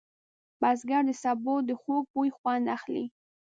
بزګر د سبو د خوږ بوی خوند اخلي